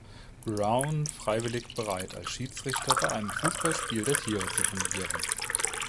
Browne freiwillig bereit, als Schiedsrichter bei einem Fußballspiel der Tiere zu fungieren.